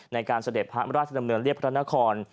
ในการเสด็จพระอำราชดำเนินเรียบพระนคร